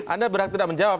anda berhak tidak menjawab